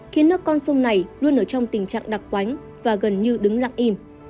khiến nước con sông này luôn ở trong tình trạng đặc quánh và gần như đứng lặng im